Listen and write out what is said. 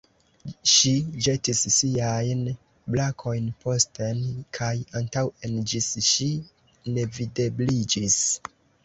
Ŝi ĵetis siajn brakojn posten kaj antaŭen, ĝis ŝi nevidebliĝis.